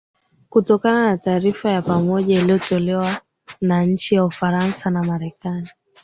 kutokana na taarifa ya pamoja iliotolewa na nchi ya ufaransa na marekani